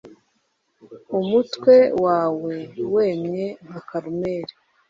Umutwe wawe wemye nka Karumeli,